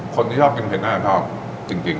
คนที่ชอบกินเผ็ดอะทีทองจริง